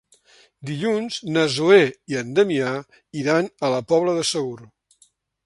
Dilluns na Zoè i en Damià iran a la Pobla de Segur.